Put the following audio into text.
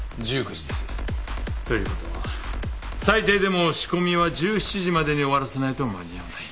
ということは最低でも仕込みは１７時までに終わらせないと間に合わない。